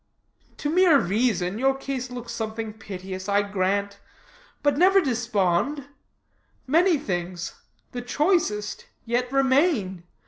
"To mere reason, your case looks something piteous, I grant. But never despond; many things the choicest yet remain.